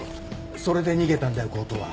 それで逃げたんだよ強盗は。